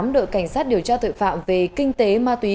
đội cảnh sát điều tra tội phạm về kinh tế ma túy